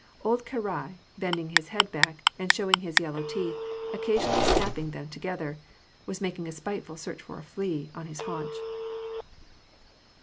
Old Karai, bending his head back, and showing his yellow teeth, occasionally snapping them together, was making a spiteful search for a flea, on his haunch.